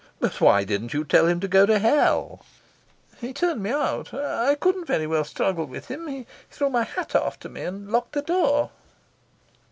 "But why didn't you tell him to go to hell?" "He turned me out. I couldn't very well struggle with him. He threw my hat after me, and locked the door."